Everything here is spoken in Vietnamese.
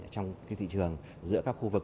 trong thị trường giữa các khu vực